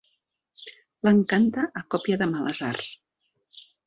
L'encanta a còpia de males arts.